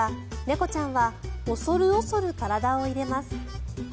猫ちゃんは恐る恐る体を入れます。